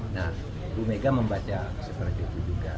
nah bu mega membaca seperti itu juga